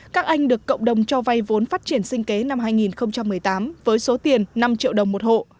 các anh được cộng đồng cho vay vốn phát triển sinh kế năm hai nghìn một mươi tám với số tiền năm triệu đồng một hộ